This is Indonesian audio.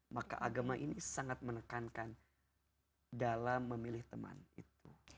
maka agama ini sangat menekankan dalam memilih teman itu